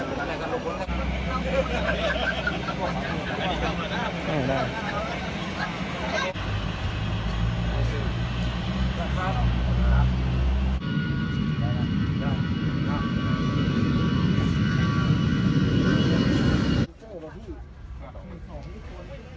สุดท้ายสุดท้ายสุดท้าย